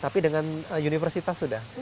tapi dengan universitas sudah